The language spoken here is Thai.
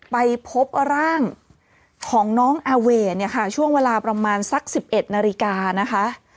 ไปพบร่างของน้องอาเวเนี่ยค่ะช่วงเวลาประมาณสัก๑๑นาฬิกานะคะ